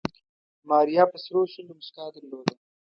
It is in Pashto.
ماريا په سرو شونډو موسکا درلوده.